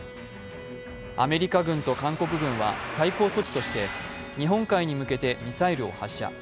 アメリカ軍と韓国軍は対抗措置として、日本海に向けてミサイルを発射。